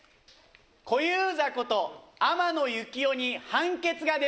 小遊三こと天野幸夫に判決が出ました。